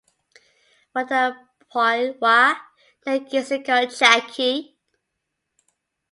Wadapoilwa na kiseko chake.